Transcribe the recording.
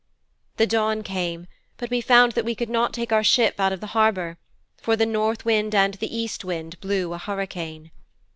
'The dawn came, but we found that we could not take our ship out of the harbour, for the North Wind and the East Wind blew a hurricane.